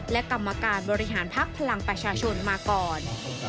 และกรรมการบริหารพักพลังประชาชนมาก่อน